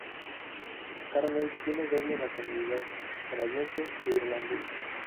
Carney tiene doble nacionalidad: canadiense e irlandesa.